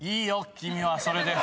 君はそれで。